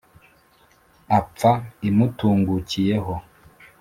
Apfa imutungukiyeho